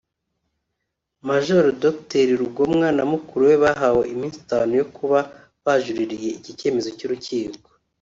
Maj Dr Rugomwa na mukuru we bahawe iminsi itanu yo kuba bajuriririye iki cyemezo cy’urukiko